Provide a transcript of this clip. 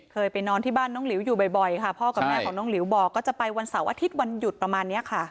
เคยไปนอนที่บ้านน้องหลิวอยู่บ่อยค่ะพ่อกับแม่ของน้องหลิวบอกก็จะไปวันเสาร์อาทิตย์วันหยุดประมาณนี้ค่ะ